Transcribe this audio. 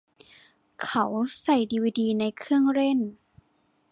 เขาใส่ดีวีดีในเครื่องเล่น